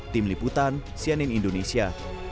tim liputan cnn indonesia